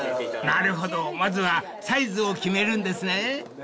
［なるほどまずはサイズを決めるんですね］